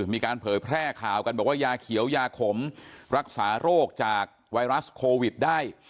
เผยแพร่ข่าวกันบอกว่ายาเขียวยาขมรักษาโรคจากไวรัสโควิดได้